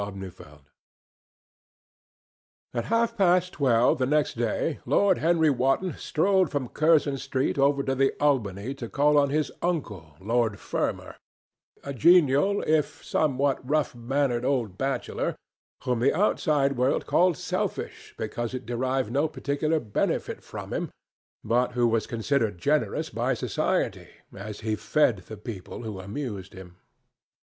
CHAPTER III. At half past twelve next day Lord Henry Wotton strolled from Curzon Street over to the Albany to call on his uncle, Lord Fermor, a genial if somewhat rough mannered old bachelor, whom the outside world called selfish because it derived no particular benefit from him, but who was considered generous by Society as he fed the people who amused him.